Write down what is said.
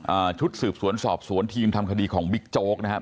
อ่าชุดสืบสวนสอบสวนทีมทำคดีของบิ๊กโจ๊กนะครับ